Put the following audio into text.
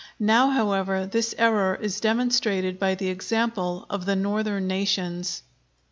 Now, however, this error is demonstrated by the example of the northern nations.